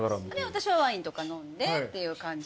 私はワインとか飲んでって感じ。